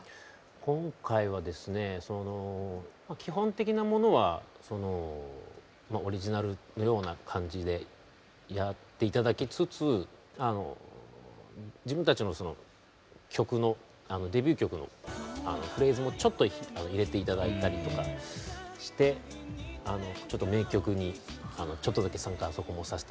今回はですねその基本的なものはそのオリジナルのような感じでやって頂きつつ自分たちのその曲のデビュー曲のフレーズもちょっと入れて頂いたりとかしてちょっと名曲にちょっとだけ参加そこもさせて頂いたって感じですね。